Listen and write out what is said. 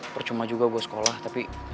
percuma juga buat sekolah tapi